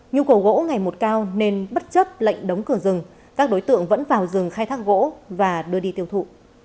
nhu cầu gỗ ngày một cao nên bất chấp lệnh đóng cửa rừng các đối tượng vẫn vào rừng khai thác gỗ và đưa đi tiêu thụ